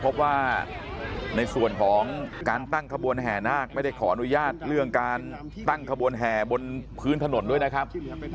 พบว่าในส่วนของการตั้งขบวนแห่นาคไม่ได้ขออนุญาตเรื่องการตั้งขบวนแห่บนพื้นถนนด้วยนะครับ